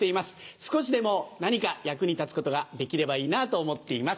少しでも何か役に立つことができればいいなと思っています。